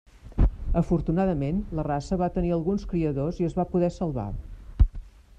Afortunadament, la raça va tenir alguns criadors i es va poder salvar.